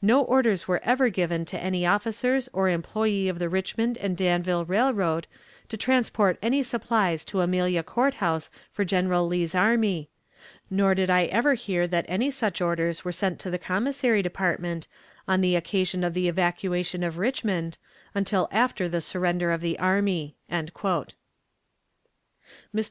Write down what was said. No orders were ever given to any officers or employee of the Richmond and Danville Railroad to transport any supplies to Amelia Court House for General Lee's army, nor did I ever bear that any such orders were sent to the commissary department on the occasion of the evacuation of Richmond, until after the surrender of the army." Mr.